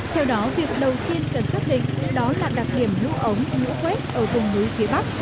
theo đó việc đầu tiên cần xác định đó là đặc điểm lũ ống lũ quét ở vùng núi phía bắc